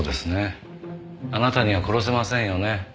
あなたには殺せませんよね。